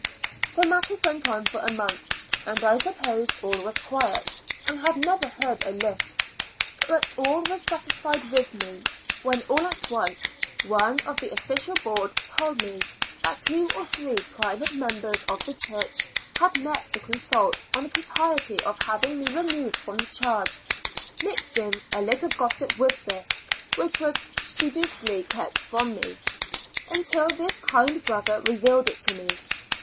So matters went on for a month, and I supposed all was quiet, and had never heard a lisp but all were satisfied with me, when all at once one of the official board told me that two or three private members of the church had met to consult on the propriety 14 ^^^^0 Years and Four Months of having me removed from the charge ; mixing a little gossip with this, which was studiously kept from me, until this kind brother revealed it to me.